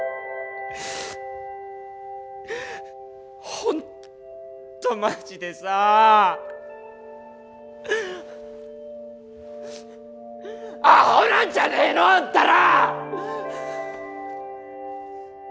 ほんとマジでさあアホなんじゃねえの！？あんたら！